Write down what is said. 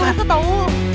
ga usah tau